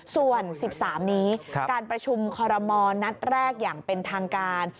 ส่วน๑๓นี้การประชุมคอรมณ์นัดแรกอย่างเป็นทางการ